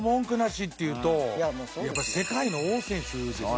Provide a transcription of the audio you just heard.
やっぱ世界の王選手ですよ。